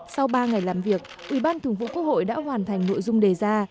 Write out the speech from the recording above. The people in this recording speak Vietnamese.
sau ba ngày làm việc ủy ban thường vụ quốc hội đã hoàn thành nội dung đề ra